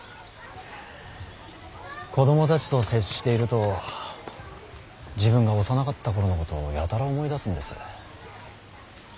子供たちと接していると自分が幼かった頃のことをやたら思い出すんです。